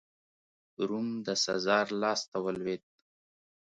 روم د سزار لاسته ولوېد.